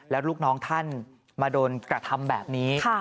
แล้วลูกน้องท่านมาโดนกระทำแบบนี้